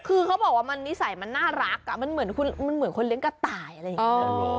คือเขาบอกว่ามันนิสัยมันน่ารักมันเหมือนคนเลี้ยงกระต่ายอะไรอย่างนี้